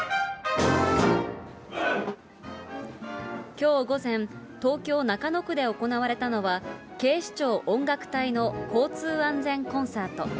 きょう午前、東京・中野区で行われたのは、警視庁音楽隊の交通安全コンサート。